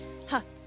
はい。